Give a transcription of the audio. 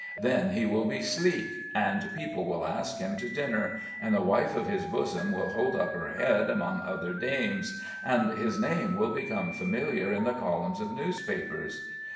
Then he will be sleek, and people will ask him to dinner, and the wife of his bosom will hold up her head among other dames, and his name will become familiar in the columns of newspapers.